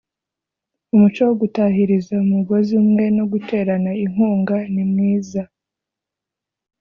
umuco wo gutahiriza umugozi umwe no guterana inkunga ni mwiza